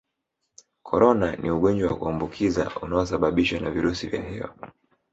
Corona ni ugonjwa wa kuambukiza unaosababishwa na virusi vya hewa